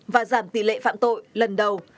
và giảm tỷ lệ phạm tội lần đầu